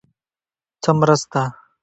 _څه مرسته؟